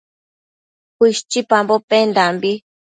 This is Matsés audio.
Cuishchipambo pendambi